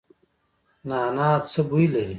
نعناع څه بوی لري؟